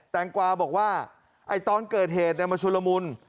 แงงกวาบอกว่าตอนเกิดเหตุมันชุลมุน